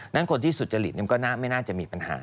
นั้นคนที่สุจริตเนี่ยไม่น่าจะมีปัญหา